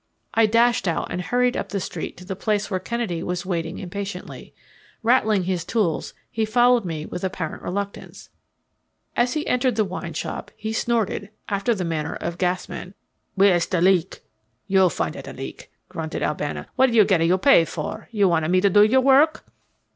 I dashed out and hurried up the street to the place where Kennedy was waiting impatiently. Rattling his tools, he followed me with apparent reluctance. As he entered the wine shop he snorted, after the manner of gasmen, "Where's de leak?" "You find a da leak," grunted Albano. "What a you get a you pay for? You want a me do your work?"